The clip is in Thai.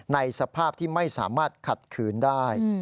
ในสภาพที่ไม่สามารถขัดขืนได้